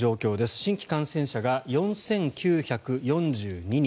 新規感染者が４９４２人。